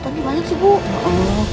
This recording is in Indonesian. tapi sumpahnya banyak sih bu